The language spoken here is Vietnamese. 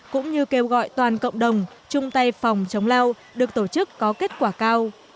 cũng như kêu gọi toàn cộng đồng chung tay phòng chống lao được tổ chức có kết quả cao